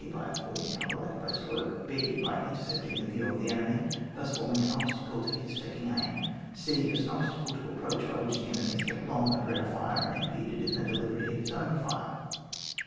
By affording cover like a breastwork. b. By intercepting the view of the enemy, thus forming an obstacle to his taking aim. 0. As an obstacle to approach, by which the enemy is kept long under our fire, and impeded in the delivery of his own fire.